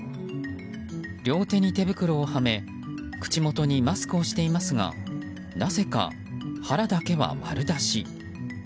両手に手袋をはめ口元にマスクをしていますがなぜか腹だけは丸出し。